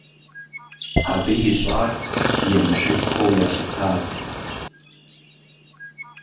Абы ищӀар емыкӀушхуэу ялъытат.